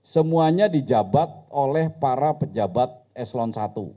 semuanya di jabat oleh para pejabat eslon satu